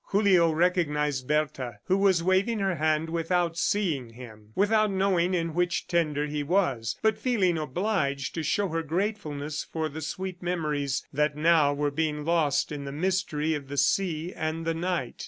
Julio recognized Bertha who was waving her hand without seeing him, without knowing in which tender he was, but feeling obliged to show her gratefulness for the sweet memories that now were being lost in the mystery of the sea and the night.